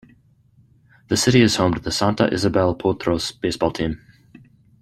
The city is home to the Santa Isabel Potros baseball team.